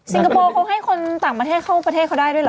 คโปร์เขาให้คนต่างประเทศเข้าประเทศเขาได้ด้วยเหรอ